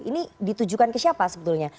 ini ditujukan ke siapa sebetulnya